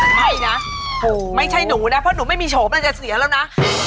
ไม่นะไม่ใช่หนูนะเพราะหนูไม่มีโฉมน่าจะเสียแล้วนะ